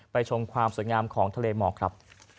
ชมความสวยงามของทะเลหมอกครับ